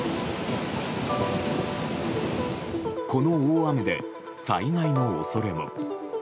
この大雨で災害の恐れも。